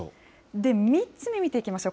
３つ目見ていきましょう。